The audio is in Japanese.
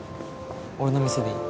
俺の店でいい？